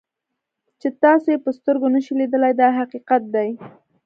چې تاسو یې په سترګو نشئ لیدلی دا حقیقت دی.